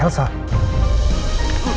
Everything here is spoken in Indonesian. boleh bang map